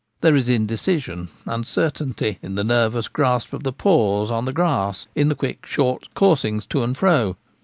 There is indecision — uncertainty — in the nervous grasp of the paws on the grass, in the quick short coursings to and fro.